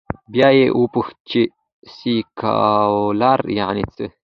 بیا یې وپوښت، چې سیکولر یعنې څه؟